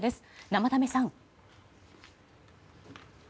生田目さん。